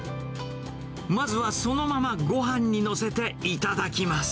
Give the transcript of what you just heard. まずはそのままごはんに載せていただきます。